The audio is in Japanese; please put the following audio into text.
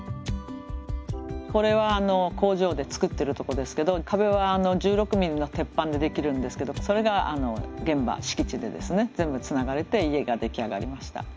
これは工場で作ってるとこですけど壁は１６ミリの鉄板でできるんですけどそれが現場敷地でですね全部つながれて家が出来上がりました。